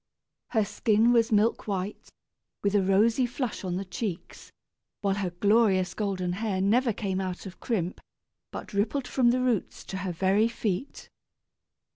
Her skin was milk white, with a rosy flush on the cheeks, while her glorious golden hair never came out of crimp, but rippled from the roots to her very feet.